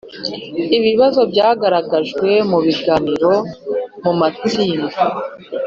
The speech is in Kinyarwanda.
Ibibazo byagaragajwe mu biganiro mu matsinda